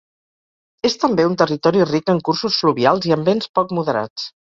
És també un territori ric en cursos fluvials i amb vents poc moderats.